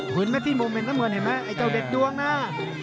เห็นไหมที่โมเมนต์เท่าเหมือนเห็นไหมไอ้เจ้าเด็ดดวงน่ะ